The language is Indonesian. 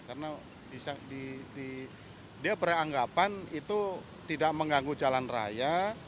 karena dia beranggapan itu tidak mengganggu jalan raya